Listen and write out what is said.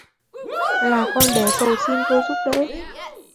Là con bé cầu xin tôi giúp đỡ